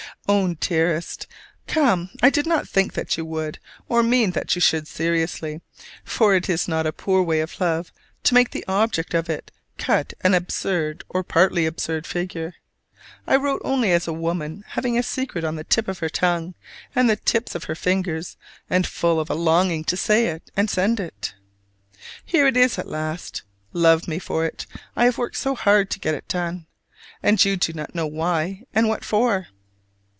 Own Dearest: Come I did not think that you would, or mean that you should seriously; for is it not a poor way of love to make the object of it cut an absurd or partly absurd figure? I wrote only as a woman having a secret on the tip of her tongue and the tips of her fingers, and full of a longing to say it and send it. Here it is at last: love me for it, I have worked so hard to get it done! And you do not know why and what for?